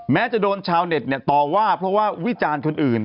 จะโดนชาวเน็ตต่อว่าเพราะว่าวิจารณ์คนอื่น